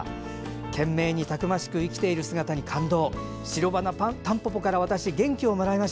懸命に、そしてたくましく生きている姿に感動。